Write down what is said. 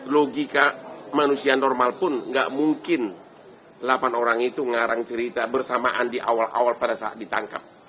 logika manusia normal pun nggak mungkin delapan orang itu ngarang cerita bersamaan di awal awal pada saat ditangkap